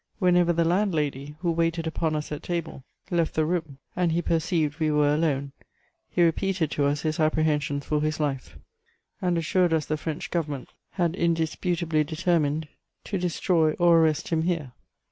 Whenever the landlady, who waited upon us at table, left the room, and he perceived we were alone, he repeated to us his apprehensions for his life, and assured us the French Government had indisputably determined to destroy or arrest him here.